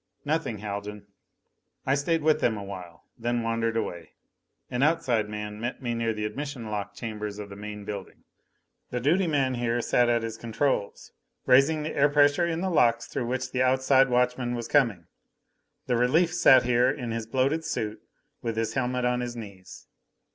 "Nothing, Haljan." I stayed with them awhile, then wandered away. An outside man met me near the admission lock chambers of the main building. The duty man here sat at his controls, raising the air pressure in the locks through which the outside watchman was coming. The relief sat here in his bloated suit, with his helmet on his knees.